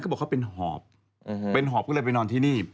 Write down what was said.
บอกเขาเป็นหอบเป็นหอบก็เลยไปนอนที่นี่